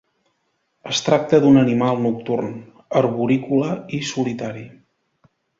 Es tracta d'un animal nocturn, arborícola i solitari.